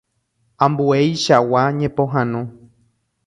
Ambueichagua ñepohãno.